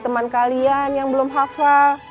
teman kalian yang belum hafal